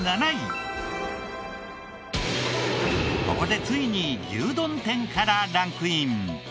ここでついに牛丼店からランクイン。